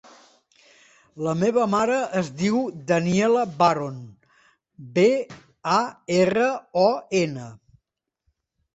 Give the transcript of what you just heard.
La meva mare es diu Daniela Baron: be, a, erra, o, ena.